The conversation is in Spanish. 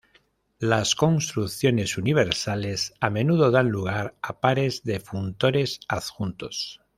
Las construcciones universales a menudo dan lugar a pares de funtores adjuntos.